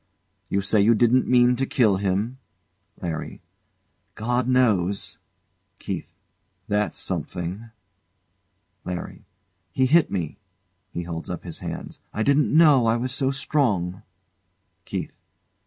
You say you didn't mean to kill him. LARRY. God knows. KEITH. That's something. LARRY. He hit me. [He holds up his hands] I didn't know I was so strong. KEITH.